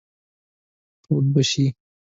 تود به شئ.